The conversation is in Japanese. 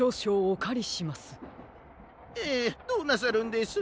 ええどうなさるんです？